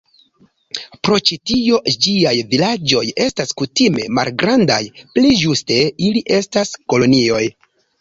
Pro ĉi tio, ĝiaj vilaĝoj estas kutime malgrandaj, pli ĝuste ili estas kolonioj.